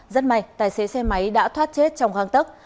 rất may tài xế xe máy đã thoát chết trong găng tấc